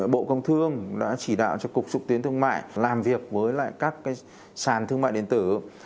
bộ công thương đã chỉ đạo cho cục trúc tiến thương mại làm việc với lại các cái sàn thương mại điện tử